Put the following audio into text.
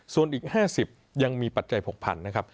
ส่วนอีก๕๐ยังมีปัจจัยผูกพันนะครับ